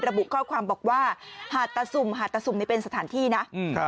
ระบุข้อความบอกว่าหาดตะสุ่มหาดตะสุ่มนี่เป็นสถานที่นะ